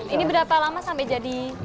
ini berapa lama sampai jadi